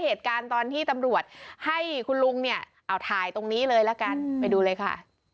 เหตุการณ์ตอนที่ตำรวจให้คุณลุงเนี่ยเอาถ่ายตรงนี้เลยละกันไปดูเลยค่ะ